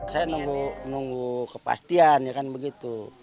saya nunggu kepastian ya kan begitu